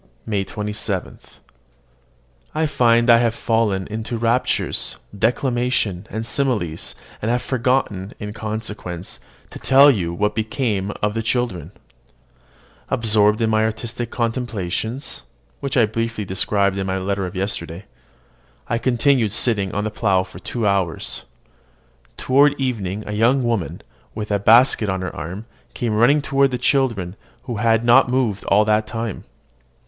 MAY 27. I find I have fallen into raptures, declamation, and similes, and have forgotten, in consequence, to tell you what became of the children. Absorbed in my artistic contemplations, which I briefly described in my letter of yesterday, I continued sitting on the plough for two hours. Toward evening a young woman, with a basket on her arm, came running toward the children, who had not moved all that time.